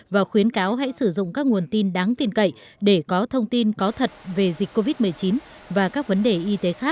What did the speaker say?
và khuyến cáo hãy sử dụng các nguồn tin đáng tin cậy để có thông tin có thật về dịch covid một mươi chín và các vấn đề y tế khác